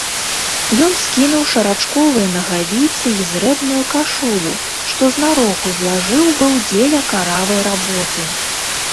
Ён скінуў шарачковыя нагавіцы й зрэбную кашулю, што знарок узлажыў быў дзеля каравай работы.